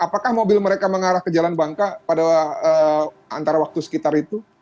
apakah mobil mereka mengarah ke jalan bangka pada antara waktu sekitar itu